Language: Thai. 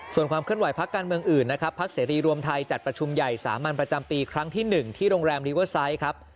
ส่วนความเคลื่อนไหวพักการเมืองอื่นนะครับพักเสรีรวมไทยจัดประชุมใหญ่สามัญประจำปีครั้งที่๑ที่โรงแรมลิเวอร์ไซต์ครับ